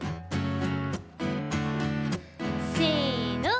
せの。